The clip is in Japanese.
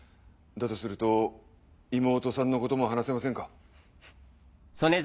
だとすると妹さんのことも話せませんか？